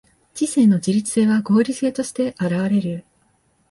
知性の自律性は合理性として現われる。